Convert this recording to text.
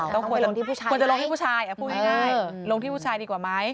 ต้องไปลงที่ผู้ชายไหมเออพูดยังไงลงที่ผู้ชายดีกว่าไหม